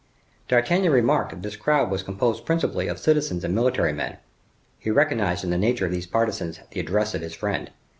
D'Artagnan remarked that this crowd was composed principally of citizens and military men. He recognized in the nature of these partisans the address of his friend.